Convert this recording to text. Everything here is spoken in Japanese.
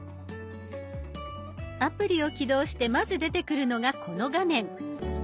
アプリを起動してまず出てくるのがこの画面。